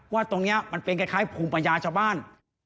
ว่าตรงนี้มันเป็นกระทั้งผุมประญญาจะบ้าน